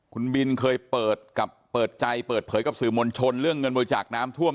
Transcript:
คุณบินเคยเปิดกับเปิดใจเปิดเผยกับสื่อมวลชนเรื่องเงินบริจาคน้ำท่วม